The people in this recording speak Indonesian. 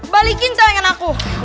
balikin celengan aku